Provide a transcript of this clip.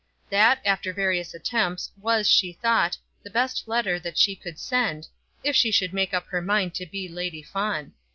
That, after various attempts, was, she thought, the best letter that she could send, if she should make up her mind to be Lady Fawn.